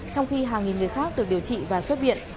trong khi hàng nghìn người khác được điều trị và xuất viện